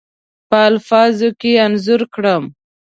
په الفاظو کې انځور کړم.